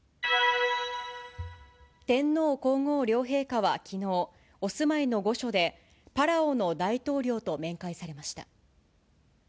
天皇皇后両陛下はきのう、お住まいの御所で、パラオの大統領と面会されました。